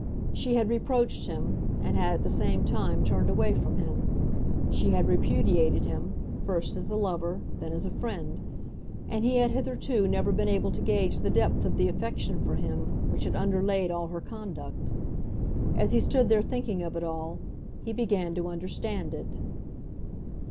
She had reproached him, and had at the same time turned away from him. She had repudiated him, first as a lover, then as a friend; and he had hitherto never been able to gauge the depth of the affection for him which had underlaid all her conduct. As he stood there thinking of it all, he began to understand it.